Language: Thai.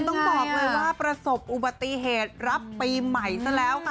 ต้องบอกเลยว่าประสบอุบัติเหตุรับปีใหม่ซะแล้วค่ะ